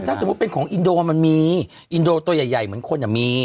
ถ้าสมมุติเป็นของอินโดมันมีอินโดตัวใหญ่เหมือนคนมี